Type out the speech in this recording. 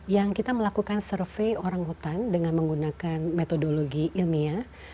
yang kita melakukan survei orang hutan dengan menggunakan metodologi ilmiah